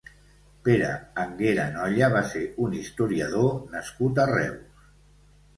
Pere Anguera Nolla va ser un historiador nascut a Reus.